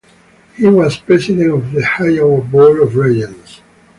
He was President of the Iowa Board of Regents.